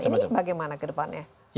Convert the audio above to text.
ini bagaimana ke depannya